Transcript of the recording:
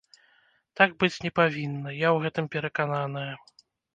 Так быць не павінна, я ў гэтым перакананая.